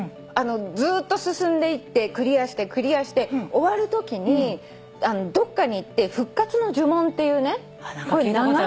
ずっと進んでいってクリアしてクリアして終わるときにどっかに行って「ふっかつのじゅもん」っていうね。